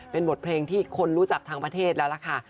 เป็นบทเพลงที่คนรู้จักทั้งประเทศแล้วล่ะค่ะ